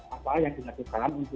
apa yang dilakukan untuk